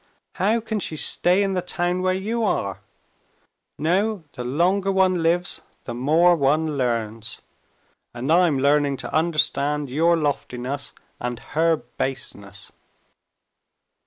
How can she stay in the town where you are? No, the longer one lives the more one learns. And I'm learning to understand your loftiness and her baseness."